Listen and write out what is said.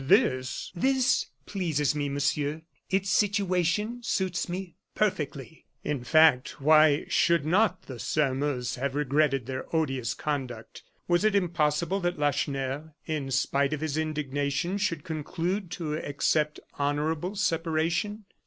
This " "This pleases me, Monsieur. Its situation suits me perfectly." In fact, why should not the Sairmeuse have regretted their odious conduct? Was it impossible that Lacheneur, in spite of his indignation, should conclude to accept honorable separation?